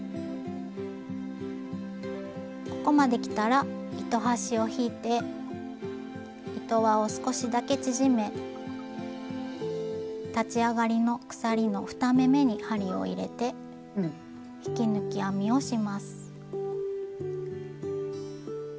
ここまできたら糸端を引いて糸輪を少しだけ縮め立ち上がりの鎖の２目めに針を入れて引き抜き編みをします。